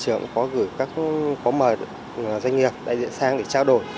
về giáo trình bên nhà trường có mời doanh nghiệp đại diện sang để trao đổi